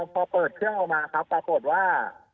พอเปิดเที่ยวมาปรากฏว่า